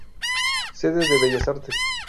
Sede de Bellas Artes.